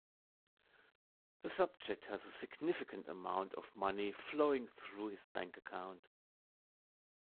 The subject has a significant amount of money flowing through his bank account.